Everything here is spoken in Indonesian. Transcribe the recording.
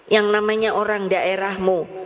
yang namanya orang daerahmu